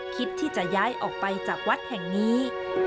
คิดที่จะย้ายออกไปจากวัดแห่งนี้